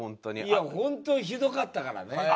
いやホントひどかったからね。